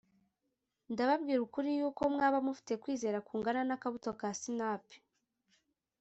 ndababwira ukuri yuko mwaba mufite kwizera kungana n’akabuto ka sinapi